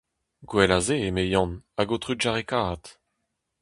Gwell a se, eme Yann, hag ho trugarekaat.